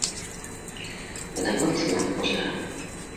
- Бына был, исмаһам, хужа